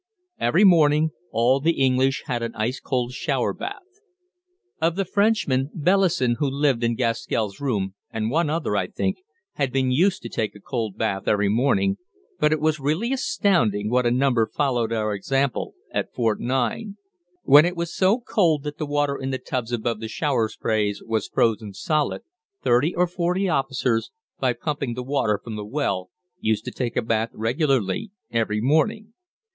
Every morning all the English had an ice cold shower bath. Of the Frenchmen, Bellison, who lived in Gaskell's room, and one other, I think, had been used to take a cold bath every morning, but it was really astonishing what a number followed our example at Fort 9. When it was so cold that the water in the tubs above the shower sprays was frozen solid, thirty or forty officers, by pumping the water from the well, used to take a bath regularly every morning.